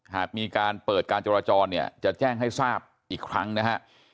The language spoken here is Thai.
หากมีการเปิดการเจราจรจะแจ้งให้ทราบอีกครั้งนะครับ